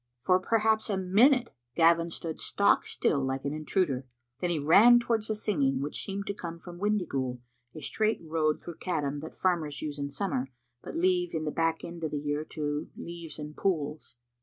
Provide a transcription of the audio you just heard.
For perhaps a minute Gavin stood stock still, like an intruder. Then he ran towards the singing, which seemed to come from Windyghoul, a straight road through Caddam that farmers use in summer, but leave in the back end of the year to leaves and pools.